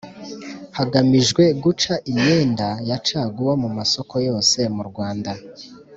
hagamijwe guca imyenda ya caguwa mu masoko yose mu rwanda